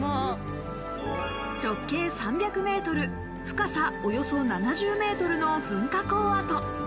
直径３００ｍ、深さおよそ７０ｍの噴火口跡。